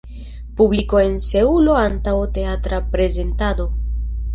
Publiko en Seulo antaŭ teatra prezentado.